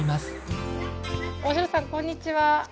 大城さんこんにちは。